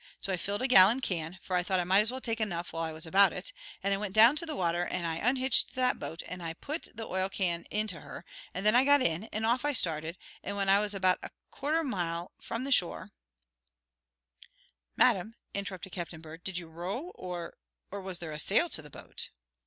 So I filled a gallon can, for I thought I might as well take enough while I was about it, and I went down to the water and I unhitched that boat and I put the oil can into her, and then I got in, and off I started, and when I was about a quarter of a mile from the shore " "Madam," interrupted Captain Bird, "did you row or or was there a sail to the boat?"